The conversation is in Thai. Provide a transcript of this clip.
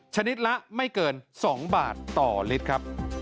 ชนิดละไม่เกิน๒บาทต่อลิตรครับ